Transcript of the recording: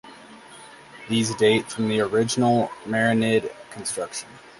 These date from the original Marinid construction.